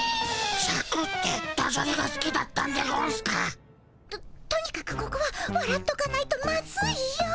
シャクってダジャレがすきだったんでゴンスか？ととにかくここはわらっとかないとマズいよ。